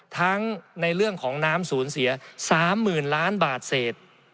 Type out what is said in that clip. ทั้งในเรื่องของน้ำสูญเสีย๓๐๐๐ล้านบาทเศษ